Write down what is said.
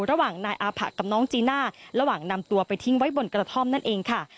ระหว่างนายอาผะกับน้องจีน่าระหว่างนำตัวไปทิ้งไว้บนกระท่อมนั่นเองค่ะ